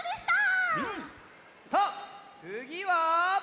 さあつぎは？